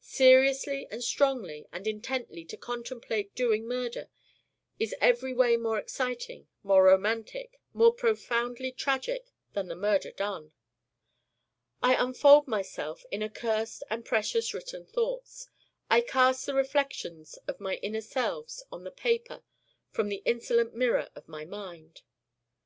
Seriously and strongly and intently to contemplate doing murder is everyway more exciting, more romantic, more profoundly tragic than the murder done. I unfold myself in accursed and precious written thoughts. I cast the reflections of my inner selves on the paper from the insolent mirror of my Mind.